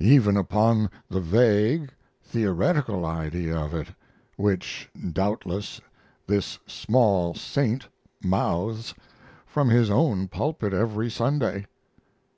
even upon the vague, theoretical idea of it which doubtless this small saint mouths from his own pulpit every Sunday.